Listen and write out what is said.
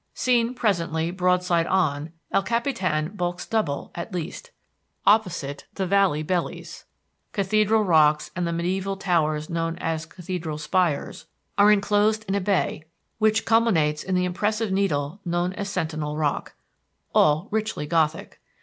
Seen presently broadside on, El Capitan bulks double, at least. Opposite, the valley bellies. Cathedral Rocks and the mediæval towers known as Cathedral Spires, are enclosed in a bay, which culminates in the impressive needle known as Sentinel Rock all richly Gothic.